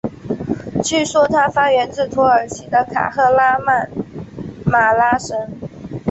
据说它发源自土耳其的卡赫拉曼马拉什。